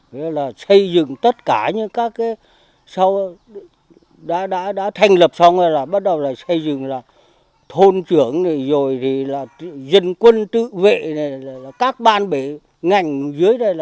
thế là xây dựng tất cả những các cái sau đã thành lập xong rồi là bắt đầu xây dựng là thôn trưởng rồi thì là dân quân tự vệ các ban bể ngành dưới đây